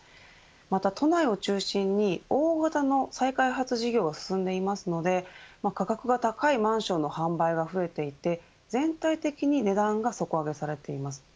また、都内を中心に大型の再開発事業が進んでいますので価格が高いマンションの販売が増えていて全体的に値段が底上げされています。